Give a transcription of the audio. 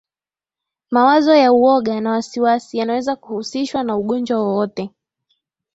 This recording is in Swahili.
mawazo ya uoga na wasiwasi yanaweza kuhusishwa na ugonjwa wowote